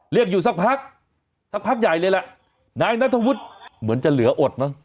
เรียกอยู่สักพักสักพักใหญ่เลยแหละนายนัทวุฒิเหมือนจะเหลืออดมั้ง